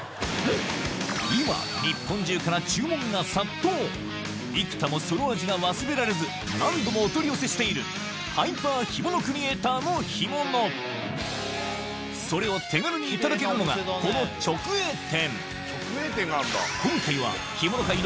今生田もその味が忘れられず何度もお取り寄せしているハイパー干物クリエイターの干物それを手軽にいただけるのがこの直営店